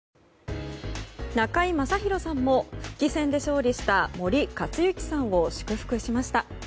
中居正広さんも復帰戦で勝利した森且行さんを祝福しました。